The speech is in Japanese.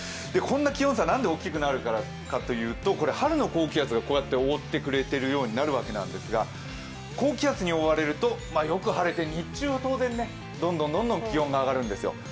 こんな気温差がなんで大きくなるかというと、春の高気圧が覆ってくれているようになるわけなんですが高気圧に覆われるとよく晴れて日中はどんどん気温が上がるんですよ。